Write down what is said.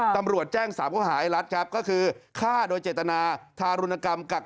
ตำรวจแจ้งสามเข้าหาไอ้รัฐครับ